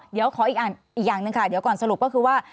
เดี๋ยวขออีกอย่างหนึ่งค่ะเดี๋ยวก่อนสรุปก็คือว่า